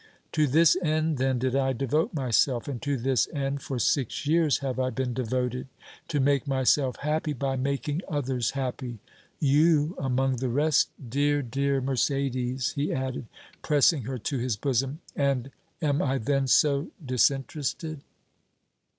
To this end, then, did I devote myself, and to this end, for six years, have I been devoted to make myself happy by making others happy you among the rest, dear, dear Mercédès," he added, pressing her to his bosom. "And am I then so disinterested?"